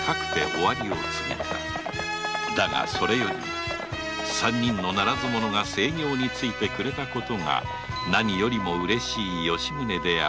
だがそれより三人のならず者が正業についてくれた事が何よりもうれしい吉宗であった